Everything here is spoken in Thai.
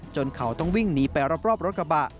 เขาต้องวิ่งหนีไปรอบรถกระบะ